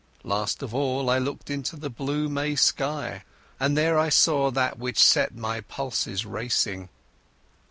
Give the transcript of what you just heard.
Last of all I looked into the blue May sky, and there I saw that which set my pulses racing....